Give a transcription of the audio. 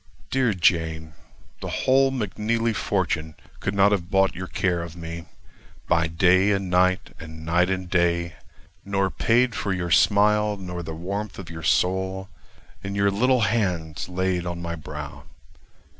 Dear Jane! the whole McNeely fortune Could not have bought your care of me, By day and night, and night and day; Nor paid for your smile, nor the warmth of your soul, In your little hands laid on my brow.